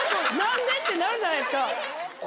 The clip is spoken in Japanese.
ってなるじゃないですか。